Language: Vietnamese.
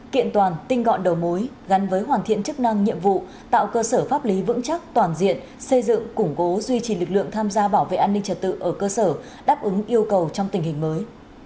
kiện toàn tinh gọn đầu mối gắn với hoàn thiện chức năng nhiệm vụ tạo cơ sở pháp lý vững chắc toàn diện xây dựng củng cố duy trì lực lượng tham gia bảo vệ an ninh trật tự ở cơ sở đáp ứng yêu cầu trong tình hình mới